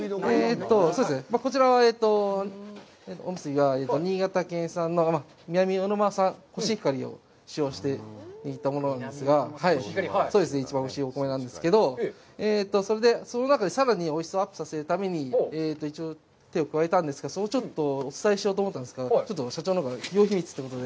こちらのおむすびは、新潟県産の南魚沼産コシヒカリを使用して握ったものですが、一番おいしいお米なんですけど、それでその中でさらにおいしさをアップさせるために一応、手を加えたんですが、それをお伝えしようと思ったんですが、ちょっと社長のほうから企業秘密ということで。